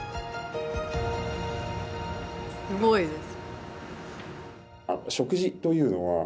すごいです。